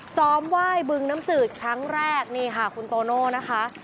ซ้อมไหว้บึงน้ำจืดครั้งแรกนี่ค่ะคุณโตโน่นะคะ